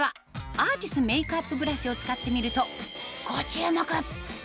アーティスメイクアップブラシを使ってみるとご注目！